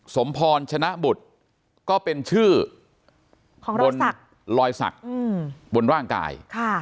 สมพรชนะบุตรก็เป็นชื่อบนรอยสักบนร่างกาย